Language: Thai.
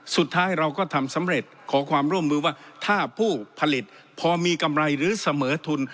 สุดท้ายเราก็ทำสำเร็จขอความร่วมมือว่าถ้าผู้ผลิตพอมีกำไรหรือเสมอทุน